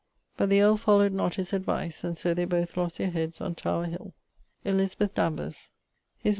But the earle followed not his advice, and so they both lost their heads on Tower hill. Note. [CX] In MS.